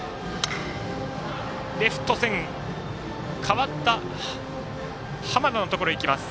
レフト線代わった濱田のところにいきます。